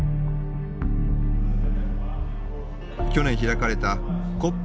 去年開かれたＣＯＰ